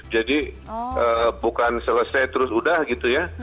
jadi bukan selesai terus udah gitu ya